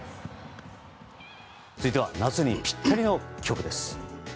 続いては夏にぴったりの曲です。